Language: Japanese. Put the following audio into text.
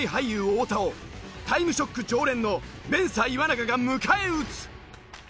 太田を『タイムショック』常連のメンサ岩永が迎え撃つ！